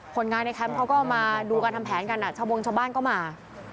คนงานในแคมป์เขาก็มาดูการทำแผนกันชาวบงชาวบ้านก็มา